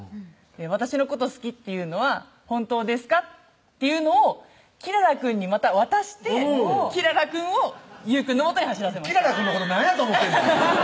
「私のこと好きっていうのは本当ですか？」っていうのを黄良々くんにまた渡して黄良々くんを雄くんのもとに走らせました黄良々くんのこと何やと思ってんの？